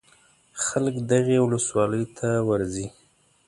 خلک دغې ولسوالۍ ته ورځي.